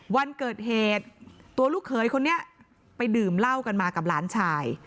วันเกิดเหตุตัวลูกเขยคนนี้ไปดื่มเหล้ากันมากับหลานชาย